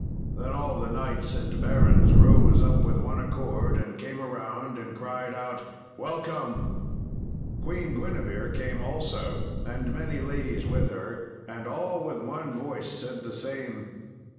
Then all the knights and barons rose up with one accord and came around, and cried out, "Welcome." Queen Guinevere came also, and many ladies with her, and all with one voice said the same.